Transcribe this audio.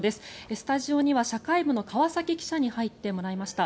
スタジオには社会部の川崎記者に入ってもらいました。